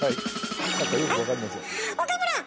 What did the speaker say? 岡村！